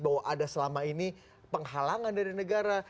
bahwa ada selama ini penghalangan dari negara